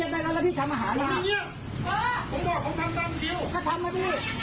โอ้โฮมึงชี้หน้าให้ทำไม